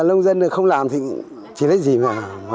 nông dân không làm thì chỉ lấy gì mà